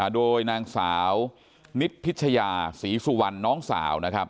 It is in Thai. โดยนางสาวนิจพิชยาสีสุวันน้องสาว